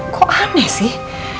kok aneh sih